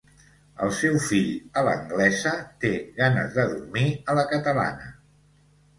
El seu fill a l'anglesa té ganes de dormir a la catalana.